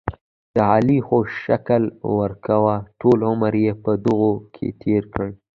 د علي خو شکل ورکوه، ټول عمر یې په دروغو کې تېر کړ.